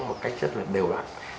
một cách rất là đều đoạn